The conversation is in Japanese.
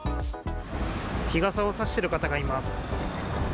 日傘を差してる方がいます。